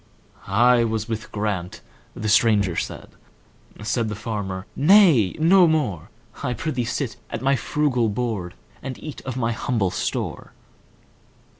"I was with Grant"—the stranger said; Said the farmer, "Nay, no more,—I prithee sit at my frugal board, And eat of my humble store.